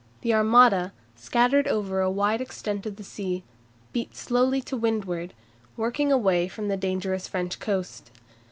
The Armada, scattered over a wide extent of sea, beat slowly to windward, working away from the dangerous French coast.